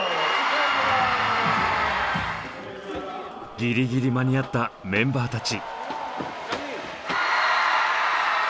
ギリギリ間に合ったメンバーたち。